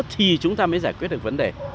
thì chúng ta mới giải quyết được vấn đề